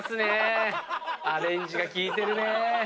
アレンジが利いてるね！